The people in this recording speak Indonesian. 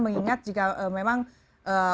mengingat jika memang ee